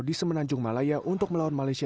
di semenanjung malaya untuk melawan malaysia